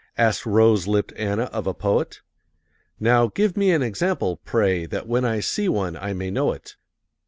Asked rose lipped Anna of a poet. "Now give me an example, pray, That when I see one I may know it."